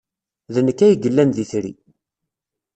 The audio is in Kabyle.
D nekk ay yellan d itri.